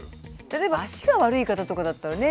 例えば足が悪い方とかだったらね